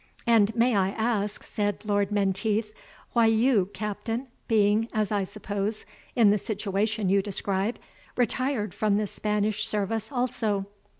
"And may I ask," said Lord Menteith, "why you, Captain, being, as I suppose, in the situation you describe, retired from the Spanish service also?"